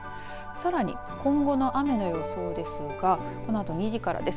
さらに今後の雨の予想ですがこのあと２時からです。